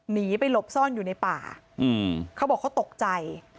หนีไปหลบซ่อนอยู่ในป่าเขาบอกเขาตกใจ